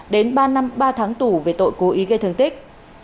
đến ba năm ba tháng tù về tội cố ý gây thương tích